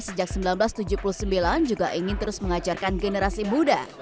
sejak seribu sembilan ratus tujuh puluh sembilan juga ingin terus mengajarkan generasi muda